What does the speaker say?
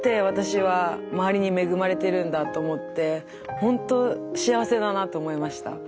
私は周りに恵まれてるんだと思ってほんと幸せだなと思いました。